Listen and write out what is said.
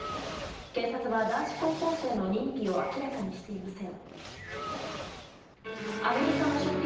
警察は、男子高校生の認否を明らかにしていません。